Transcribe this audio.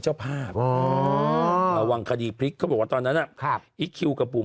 เจ้าภาพอ๋อระวังคดีพลิกเขาบอกว่าตอนนั้นอีคคิวกับบุ๋ม